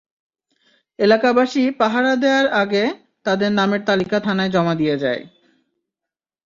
এলাকাবাসী পাহারা দেওয়ার আগে তাদের নামের তালিকা থানায় জমা দিয়ে যায়।